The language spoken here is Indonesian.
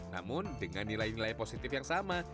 namun dengan nilai nilai positif yang sama